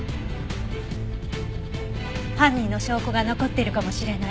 犯人の証拠が残ってるかもしれない。